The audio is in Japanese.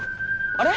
あれ？